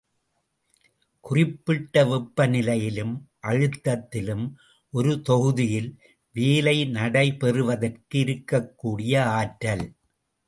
குறிப்பிட்ட வெப்ப நிலையிலும் அழுத்தத்திலும் ஒரு தொகுதியில் வேலை நடைபெறுவதற்கு இருக்கக்கூடிய ஆற்றல்.